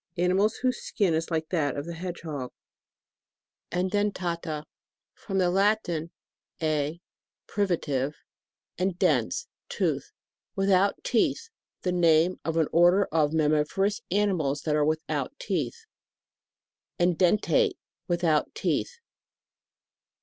Animals whose skin is like that of the hedgehog. EDENTATA. From the Latin, e, priva tive, and dens, tooth. Without teeth. The name of an order of mammiferous animals that ara without teeth. EDENTATE. Without teeth.